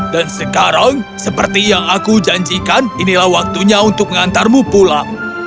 dan sekarang seperti yang aku janjikan inilah waktunya untuk mengantarmu pulang